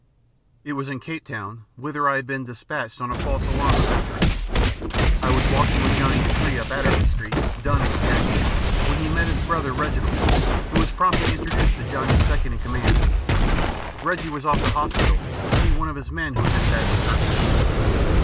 It was in Cape Town, whither I had been despatched, on a false alarm of enteric. I was walking with Johnny Dacre up Adderley Street, dun with kahki, when he met his brother Reginald, who was promptly introduced to Johnny's second in command. Reggie was off to hospital to see one of his men who had been badly hurt.